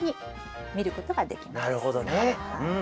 なるほどねうん。